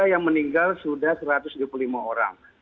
yang meninggal sudah satu ratus dua puluh lima orang